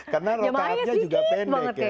karena rokaatnya juga pendek ya